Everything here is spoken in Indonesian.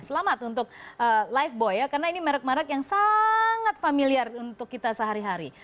selamat untuk lifeboi ya karena ini merk merk yang sangat familiar untuk kita sehari hari